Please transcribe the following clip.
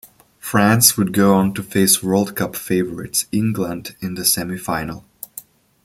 France would go on to face World Cup favourites England in the semi-final.